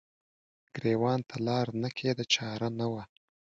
ګریوان ته لار نه کیده چار نه وه